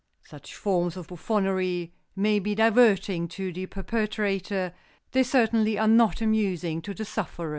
Such forms of buffoonery may be diverting to the perpetrator; they certainly are not amusing to the sufferers.